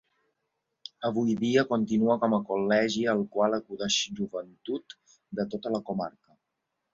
Avui dia continua com a col·legi al qual acudeix joventut de tota la comarca.